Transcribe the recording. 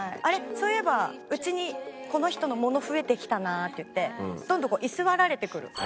そういえばうちにこの人の物増えてきたなっていってどんどんこう居座られてくる。